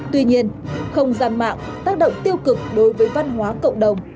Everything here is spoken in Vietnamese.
tuy nhiên không gian mạng tác động tiêu cực đối với văn hóa cộng đồng